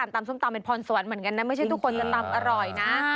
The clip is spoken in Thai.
อยากทำมานานแล้วทำเพื่อใจรักไม่รู้สึกอายอะไรเลยค่ะ